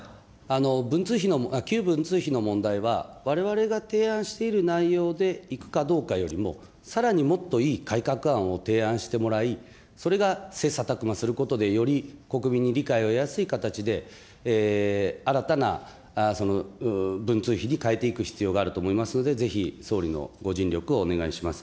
旧文通費の問題は、われわれが提案している内容でいくかどうかよりも、さらにもっといい改革案を提案してもらい、それが切磋琢磨することでより国民に理解を得やすい形で新たな文通費に変えていく必要があると思いますので、ぜひ総理のご尽力をお願いします。